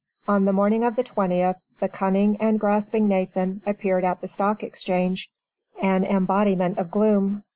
On the morning of the 20th, the cunning and grasping Nathan appeared at the Stock Exchange, an embodiment of gloom.